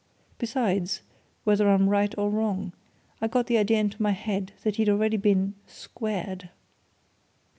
Besides, whether I'm right or wrong, I got the idea into my head that he'd already been squared!"